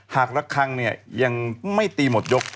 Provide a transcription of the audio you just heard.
กระคังเนี่ยยังไม่ตีหมดยก